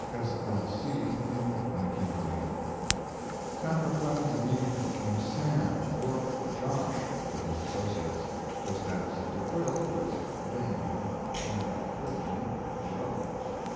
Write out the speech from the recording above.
S. L. C., in 1908.] Samuel Clemens immediately became "Sam," or "Josh," to his associates, just as De Quille was "Dan" and Goodman "Joe."